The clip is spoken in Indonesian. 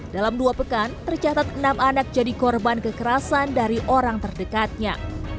dalam dua pekan tercatat enam anak jadi korban kekerasan dari orang terdekatnya